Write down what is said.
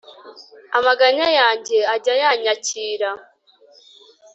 Amaganya yanjye ajya ayanyakira